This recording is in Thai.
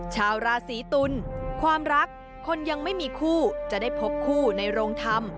ชาวราศีตุลความรักคนยังไม่มีคู่จะได้พบคู่ในโรงธรรม